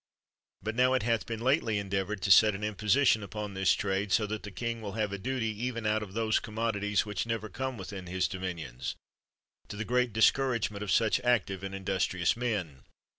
But now it hath been lately endeavored to set an imposition upon this trade, so that the king will have a duty even out of those commodities which never come within his dominions, to the great discour agement of such active and industrious men.